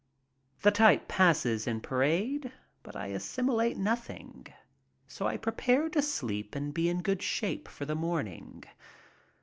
The type passes in parade, but I assimilate nothing, so I prepare to sleep and be in good shape for the morning.